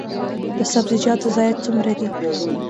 د سبزیجاتو ضایعات څومره دي؟